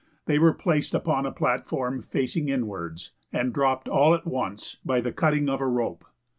They were placed upon a platform facing inwards, and dropped all at once by the cutting of a rope.